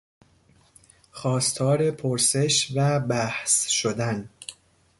خواستار پرسش و بحث شدن